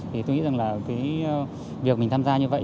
tôi nghĩ rằng việc mình tham gia như vậy